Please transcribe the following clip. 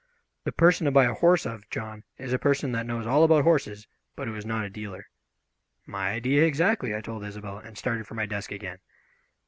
The person to buy a horse of, John, is a person that knows all about horses, but who is not a dealer." "My idea exactly," I told Isobel, and started for my desk again.